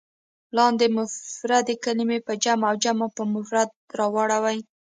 لاندې مفردې کلمې په جمع او جمع په مفرد راوړئ.